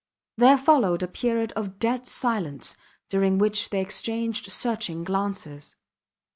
There followed a period of dead silence, during which they exchanged searching glances.